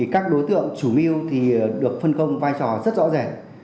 các đối tượng chủ mưu thì được phân công vai trò rất rõ ràng